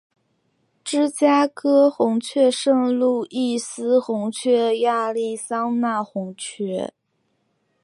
芝加哥红雀圣路易斯红雀亚利桑那红雀